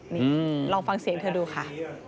นี่ลองฟังเสียงเธอดูค่ะ